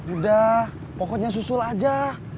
udah pokoknya susul aja